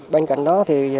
bên cạnh đó thì